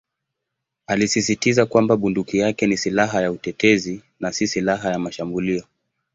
Alisisitiza kwamba bunduki yake ni "silaha ya utetezi" na "si silaha ya mashambulio".